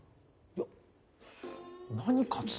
何か？